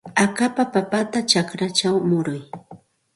Akapa papata chakrachaw muruy.